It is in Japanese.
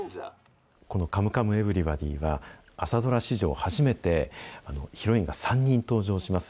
このカムカムエヴリバディは、朝ドラ史上初めて、ヒロインが３人登場します。